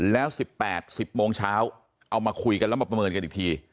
แล้ว๑๘๑๐โมงเช้าเอามาคุยกันแล้วมาประเมินกันอีกที